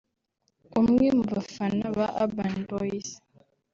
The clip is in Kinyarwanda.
umwe mu bafana ba Urban Boyz